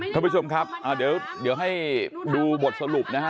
ท่านผู้ชมครับเดี๋ยวให้ดูบทสรุปนะฮะ